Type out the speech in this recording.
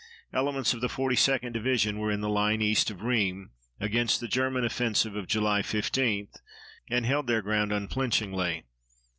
Elements of the 42d Division were in the line east of Rheims against the German offensive of July 15, and held their ground unflinchingly.